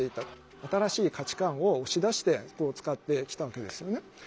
新しい価値観を押し出してこう使ってきたわけですよね。